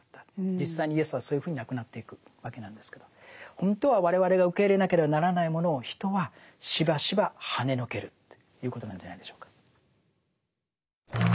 実際にイエスはそういうふうに亡くなっていくわけなんですけど本当は我々が受け入れなければならないものを人はしばしばはねのけるということなんじゃないでしょうか。